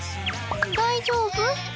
大丈夫？